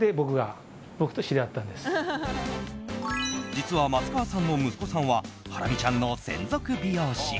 実は松川さんの息子さんはハラミちゃんの専属美容師。